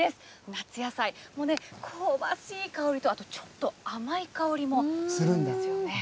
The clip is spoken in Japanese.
夏野菜、もうね、香ばしい香りと、あとちょっと甘い香りもするんですよね。